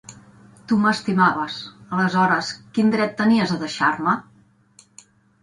Tu m'estimaves. Aleshores, quin dret tenies a deixar-me?